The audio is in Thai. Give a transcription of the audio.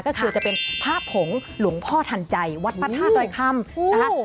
ก็คือจะเป็นผ้าผงหลวงพ่อทันใจวัตถ้าด้อยค่ำ